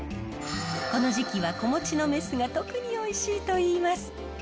この時期は子持ちのメスが特においしいといいます。